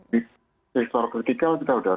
di sektor kritikal kita sudah